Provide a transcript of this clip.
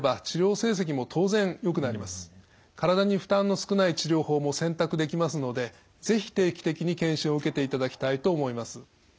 体に負担の少ない治療法も選択できますので是非定期的に検診を受けていただきたいと思います。